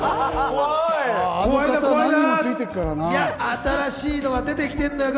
新しいのが出てきているのよ。